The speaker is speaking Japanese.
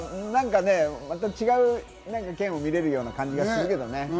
また違う健を見れるような感じがするけどね。